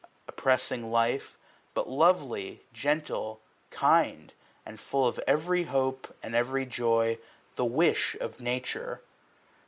Oppressing life ; but lovely, gentle, kind. And full of every hope and every joy. The wilh of Nature.